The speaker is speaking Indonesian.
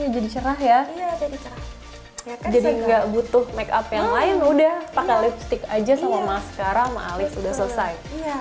jadi cerah ya jadi nggak butuh make up yang lain udah pakai lipstick aja sama mascara sama alis udah selesai